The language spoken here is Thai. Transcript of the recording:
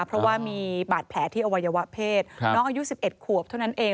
เพราะว่ามีบาดแผลที่อวัยวะเพศน้องอายุ๑๑ขวบเท่านั้นเอง